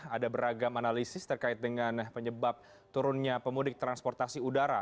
ada beragam analisis terkait dengan penyebab turunnya pemudik transportasi udara